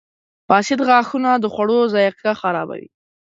• فاسد غاښونه د خوړو ذایقه خرابوي.